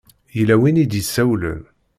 Yella win i d-yessawlen.